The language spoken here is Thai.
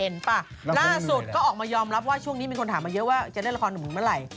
ล่าสุดก็ออกมายอมรับว่าช่วงนี้มีคนถามมาเยอะว่าจะเล่นละครหนุ่มเมื่อไหร่